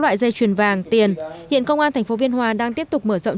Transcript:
loại dây truyền vàng tiền hiện công an thành phố biên hòa đang tiếp tục mở rộng